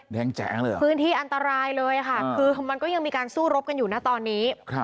แดงแจ๋เลยเหรอคือมันก็ยังมีการสู้รบกันอยู่นะตอนนี้